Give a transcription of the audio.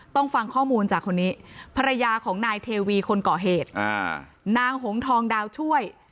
ฟังข้อมูลจากคนนี้ภรรยาของนายเทวีคนก่อเหตุนางหงทองดาวช่วย